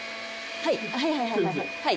はいはいはいはい。